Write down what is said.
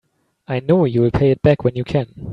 I know you'll pay it back when you can.